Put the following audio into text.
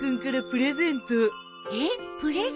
プレゼント？